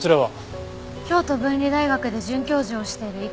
京都文理大学で准教授をしている生駒と申します。